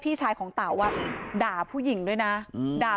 มีชายแปลกหน้า๓คนผ่านมาทำทีเป็นช่วยค่างทาง